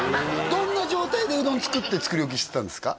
どんな状態でうどん作って作り置きしてたんですか？